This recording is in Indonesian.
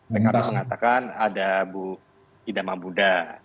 pkb mengatakan ada idamah budha